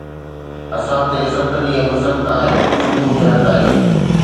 اسان تي ست ڏينهن به سخت آهن صبح ٿيڻ تائين